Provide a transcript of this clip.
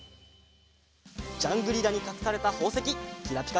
ジャングリラにかくされたほうせききらぴか